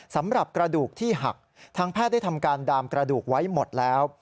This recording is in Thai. สำหรับกระดูกที่หักทางแพทย์ได้ทำการดามกระดูกไว้หมดแล้ว